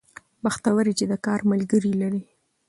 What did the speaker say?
بختور يې چې د کار ملګري لرې